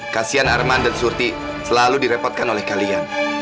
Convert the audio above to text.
kasian arman dan surti selalu direpotkan oleh kalian